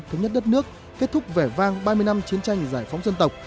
thống nhất đất nước kết thúc vẻ vang ba mươi năm chiến tranh giải phóng dân tộc